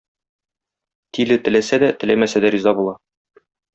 Тиле теләсә дә, теләмәсә дә риза була.